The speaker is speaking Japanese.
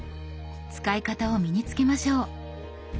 使い方を身に付けましょう。